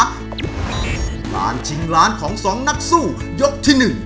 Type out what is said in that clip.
สุดลานทิ้งร้านของ๒นักสู้ยกที่๑